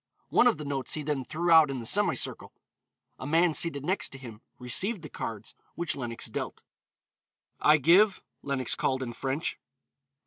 One of the notes he then threw out in the semicircle. A man seated next to him received the cards which Lenox dealt. "I give," Lenox called in French.